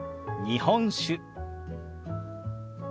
「日本酒」。